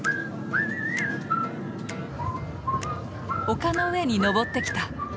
丘の上に上ってきた。